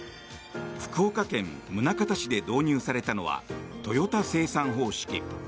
福岡県宗像市で導入されたのはトヨタ生産方式。